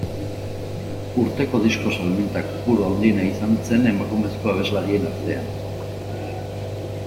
Urteko disko salmenta kopuru handiena izan zen emakumezko abeslarien artean.